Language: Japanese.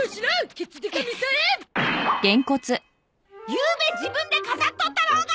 ゆうべ自分で飾っとったろうが！